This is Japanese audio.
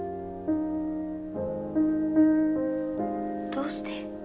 どうして？